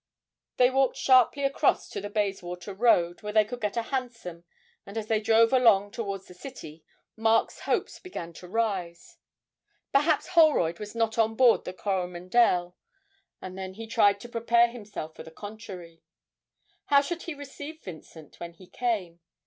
They walked sharply across to the Bayswater Road, where they could get a hansom; and as they drove along towards the City, Mark's hopes began to rise. Perhaps Holroyd was not on board the 'Coromandel' and then he tried to prepare himself for the contrary. How should he receive Vincent when he came?